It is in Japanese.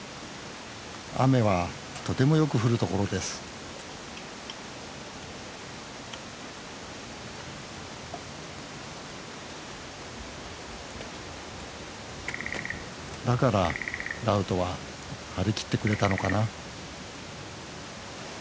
雨はとてもよく降る所ですだからラウトは張り切ってくれたのかな？